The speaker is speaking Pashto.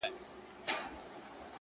په اړه بېلابېل نظرونه لري دي